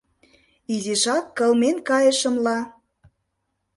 — Изишак кылмен кайышым-ла.